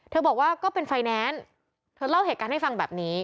บอกว่าก็เป็นไฟแนนซ์เธอเล่าเหตุการณ์ให้ฟังแบบนี้